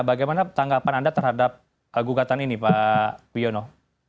bagaimana tanggapan anda terhadap gugatan ini pak wiono